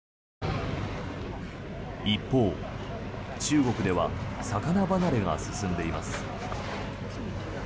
一方、中国では魚離れが進んでいます。